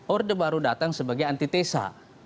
orde baru datang sebagai antitesa